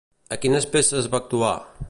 A quines peces va actuar?